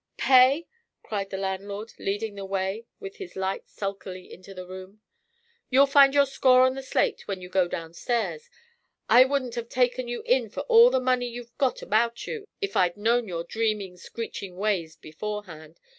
"Pay!" cried the landlord, leading the way with his light sulkily into the bedroom. "You'll find your score on the slate when you go downstairs. I wouldn't have taken you in for all the money you've got about you if I'd known your dreaming, screeching ways beforehand.